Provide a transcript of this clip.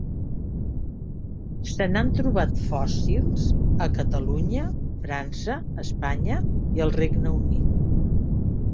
Se n'han trobat fòssils a Catalunya, França, Espanya i el Regne Unit.